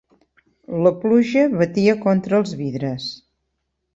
La pluja batia contra els vidres.